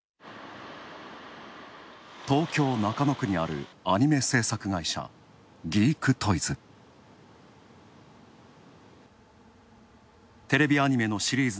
東京・中野区にあるアニメ制作会社ギークトイズ。